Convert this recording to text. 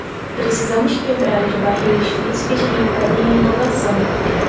Precisamos quebrar as barreiras físicas que impedem a inovação.